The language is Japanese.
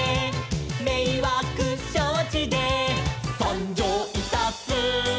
「めいわくしょうちでさんじょういたす」